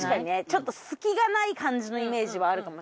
ちょっと隙がない感じのイメージはあるかも。